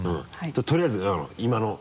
とりあえず今の。